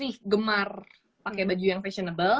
nih gemar pakai baju yang fashionable